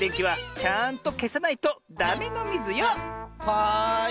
はい。